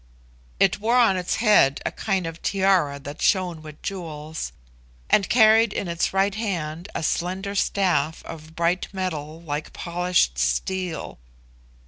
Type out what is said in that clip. It wore on its head a kind of tiara that shone with jewels, and carried in its right hand a slender staff of bright metal like polished steel.